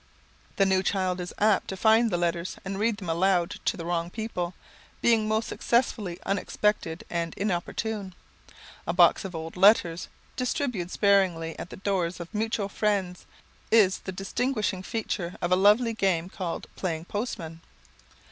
The new child is apt to find the letters and read them aloud to the wrong people, being most successfully unexpected and inopportune. A box of old letters, distributed sparingly at the doors of mutual friends, is the distinguishing feature of a lovely game called "playing postman."